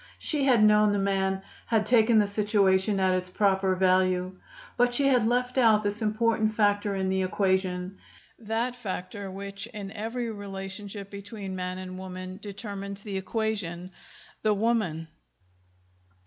She had known the man, had taken the situation at its proper value. But she had left out this important factor in the equation, that factor which in every relationship between man and woman determines the equation, the woman.